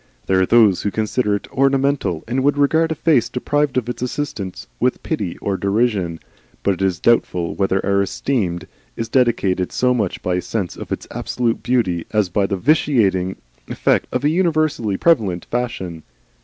There are those who consider it ornamental, and would regard a face deprived of its assistance with pity or derision; but it is doubtful whether our esteem is dictated so much by a sense of its absolute beauty as by the vitiating effect of a universally prevalent fashion.